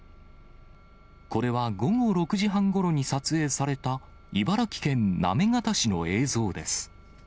これは午後６時半ごろに撮影された茨城県行方市の映像です。